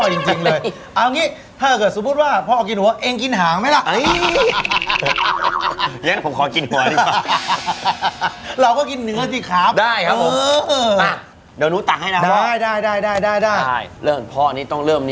เราเป็นคนรักพ่อจริงเลย